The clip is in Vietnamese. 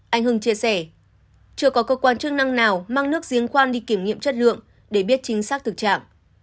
anh hưng chia sẻ chưa có cơ quan chức năng nào mang nước giếng khoan đi kiểm nghiệm chất lượng để biết chính xác thực trạng